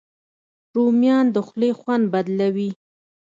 رومیان د خولې خوند بدلوي